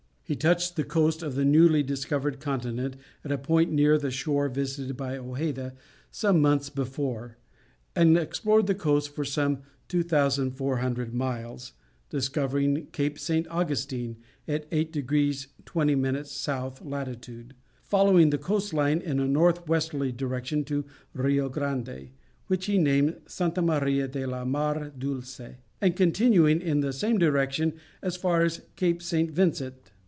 He touched the coast of the newly discovered continent at a point near the shore visited by Hojeda some months before, and explored the coast for some 2400 miles, discovering Cape St. Augustine at 8 degrees 20 minutes south latitude, following the coast line in a north westerly direction to Rio Grande, which he named Santa Maria de la Mar dulce, and continuing in the same direction as far as Cape St. Vincent.